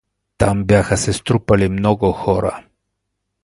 Там бяха се струпали много хора.